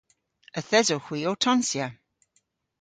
Yth esewgh hwi ow tonsya.